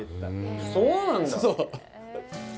あっ、そうなんだ。